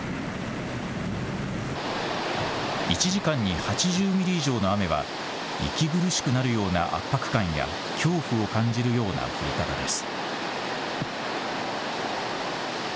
１時間に８０ミリ以上の雨は息苦しくなるような圧迫感や恐怖を感じるような降り方です。